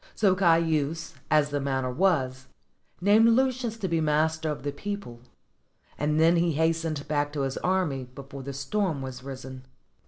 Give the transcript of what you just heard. So Caius, as the manner was, named Lucius to be master of the people; and then he hastened back to his army before the stm was risen.